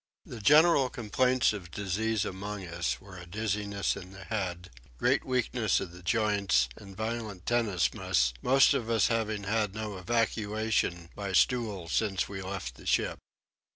The general complaints of disease among us were a dizziness in the head, great weakness of the joints, and violent tenesmus, most of us having had no evacuation by stool since we left the ship.